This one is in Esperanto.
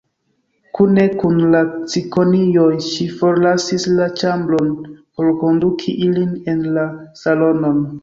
Kune kun la cikonioj ŝi forlasis la ĉambron, por konduki ilin en la salonon.